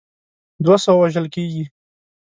دوه سوه وژل کیږي.